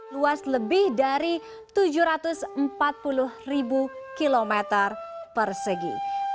luas lebih dari tujuh ratus empat puluh km persegi